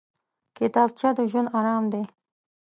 کتابچه د ژوند ارام دی